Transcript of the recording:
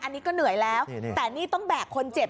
อันนี้ก็เหนื่อยแล้วแต่นี่ต้องแบกคนเจ็บ